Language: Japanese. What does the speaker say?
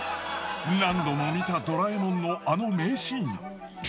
何度も見た『ドラえもん』のあの名シーン。